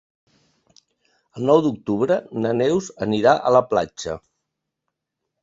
El nou d'octubre na Neus anirà a la platja.